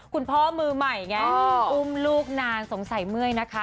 คุณพ่อมือใหม่ไงอุ้มลูกนานสงสัยเมื่อยนะคะ